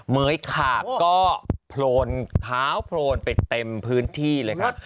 เห้ยขาบก็โพลนขาวโพลนไปเต็มพื้นที่เลยครับ